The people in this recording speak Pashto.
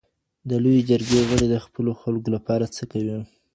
د لویې جرګي غړي د خپلو خلګو لپاره څه کوي؟